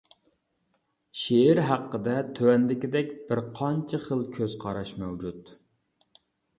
«شېئىر» ھەققىدە تۆۋەندىكىدەك بىر قانچە خىل كۆز قاراش مەۋجۇت.